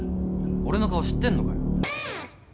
俺の顔知ってんのかよ。